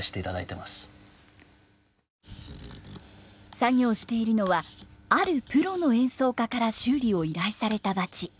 作業しているのはあるプロの演奏家から修理を依頼されたバチ。